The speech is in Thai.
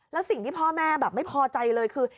แล้วสิ่งที่พ่อแม่แบบไม่พอใจเลยคือ